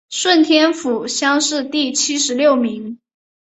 顺天府乡试第七十六名。